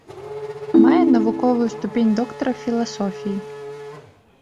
Мае навуковую ступень доктара філасофіі.